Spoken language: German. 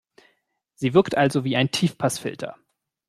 Sie wirkt also wie ein Tiefpassfilter.